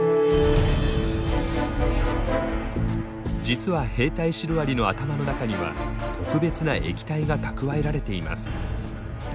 実は兵隊シロアリの頭の中には特別な液体が蓄えられています。